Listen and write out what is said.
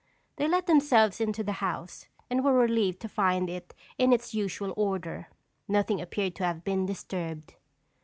They let themselves into the house and were relieved to find it in its usual order. Nothing appeared to have been disturbed.